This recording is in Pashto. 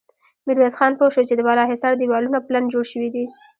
ميرويس خان پوه شو چې د بالا حصار دېوالونه پلن جوړ شوي دي.